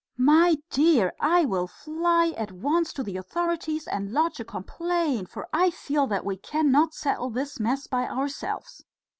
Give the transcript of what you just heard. "My dear! I will fly at once to the authorities and lodge a complaint, for I feel that we cannot settle this mess by ourselves."